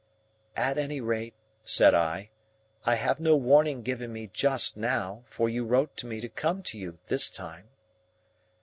"At any rate," said I, "I have no warning given me just now, for you wrote to me to come to you, this time."